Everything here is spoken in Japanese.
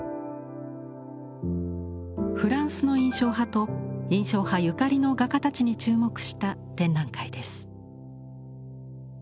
フランスの印象派と印象派ゆかりの画家たちに注目した展覧会です。